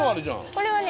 これはね